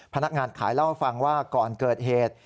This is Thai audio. พนักงานขายเล่าให้ฟังว่าก่อนเกิดเหตุ